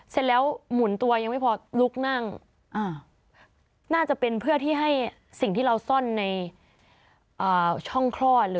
เสร็จแล้วหมุนตัวยังไม่พอลุกนั่งน่าจะเป็นเพื่อที่ให้สิ่งที่เราซ่อนในช่องคลอด